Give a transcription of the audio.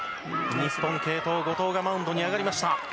日本、継投、後藤がマウンドに上がりました。